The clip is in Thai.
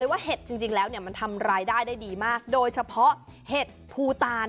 ว่าเห็ดจริงแล้วมันทำรายได้ได้ดีมากโดยเฉพาะเห็ดภูตาน